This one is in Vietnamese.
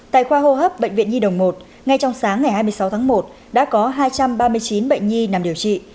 tại khoa hô hấp bệnh viện nhi đồng một ngay trong sáng ngày hai mươi sáu tháng một đã có hai trăm ba mươi chín bệnh nhi nằm điều trị